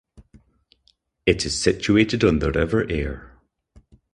It is situated on the River Ayr.